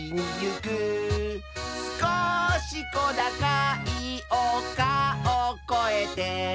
「すこしこだかいおかをこえて」